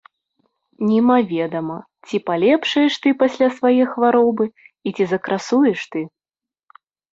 Немаведама, ці палепшаеш ты пасля свае хваробы і ці закрасуеш ты!